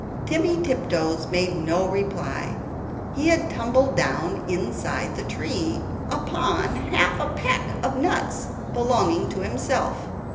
Timmy Tiptoes made no reply; he had tumbled down inside the tree, upon half a peck of nuts belonging to himself.